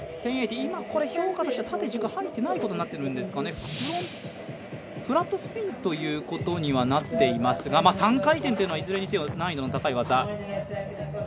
今、評価としては縦軸入ってないことになってるんですかね、フラットスピンということにはなっていますが３回転というのはいずれにせよ難易度の高い技。